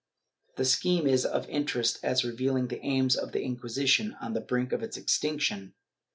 The scheme is of interest as revealing the aims of the Inquisition on the brink of its extinction.